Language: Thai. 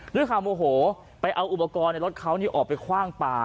ด้วยความโอโหไปเอาอุปกรณ์ในรถเขาออกไปคว่างปลา